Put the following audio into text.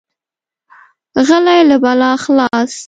غلی، له بلا خلاص.